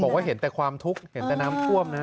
เห็นแต่ความทุกข์เห็นแต่น้ำท่วมนะ